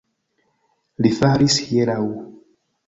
Li faris hieraŭ